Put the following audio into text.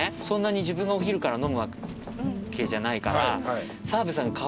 そんなに自分がお昼から飲むわけじゃないから澤部さん